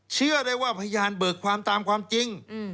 เชื่อได้ว่าพยานเบิกความตามความจริง